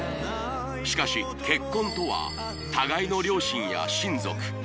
しかし結婚とは互いの両親や親族